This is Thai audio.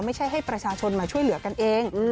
ให้ประชาชนมาช่วยเหลือกันเอง